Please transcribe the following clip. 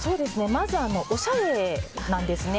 まず、おしゃれなんですね。